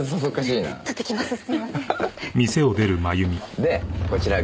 でこちらが。